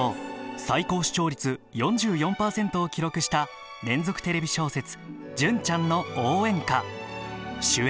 最高視聴率４４％を記録した連続テレビ小説「純ちゃんの応援歌」